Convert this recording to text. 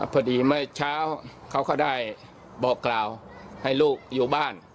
เมื่อเช้าเขาก็ได้บอกกล่าวให้ลูกอยู่บ้าน